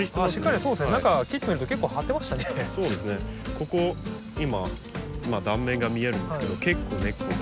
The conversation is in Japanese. ここ今断面が見えるんですけど結構根っこが。